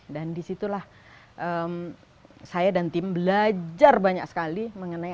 dan disitulah saya dan tim belajar banyak sekali mengenai